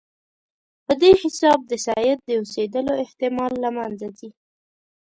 په دې حساب د سید د اوسېدلو احتمال له منځه ځي.